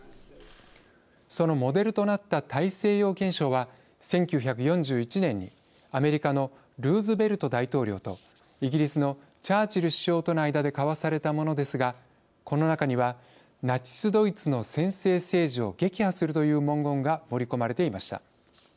そのモデルとなった大西洋憲章は１９４１年にアメリカのルーズベルト大統領とイギリスのチャーチル首相との間で交わされたものですがこの中には「ナチスドイツの専制政治を撃破する」という文言が盛り込まれていました。